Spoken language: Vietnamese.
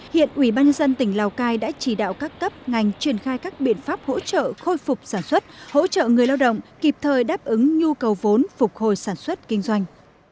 hiện ủy ban dân tỉnh lào cai đã chỉ đạo các cấp ngành triển khai các biện pháp hỗ trợ khôi phục sản xuất hỗ trợ người lao động kịp thời đáp ứng nhu cầu vốn phục hồi sản xuất kinh doanh